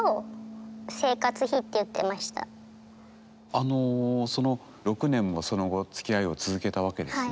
彼が言うには６年もその後つきあいを続けたわけですね。